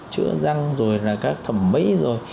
chữa răng rồi là các thẩm mỹ rồi